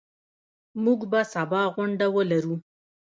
موږ به سبا غونډه ولرو.